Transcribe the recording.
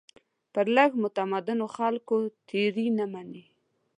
پر لږ متمدنو خلکو تېري نه مني.